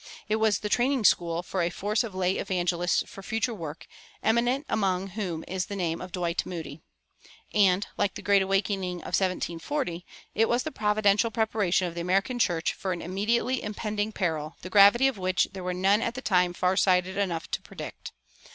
It was the training school for a force of lay evangelists for future work, eminent among whom is the name of Dwight Moody. And, like the Great Awakening of 1740, it was the providential preparation of the American church for an immediately impending peril the gravity of which there were none at the time far sighted enough to predict.